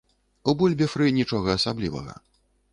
У бульбе-фры нічога асаблівага.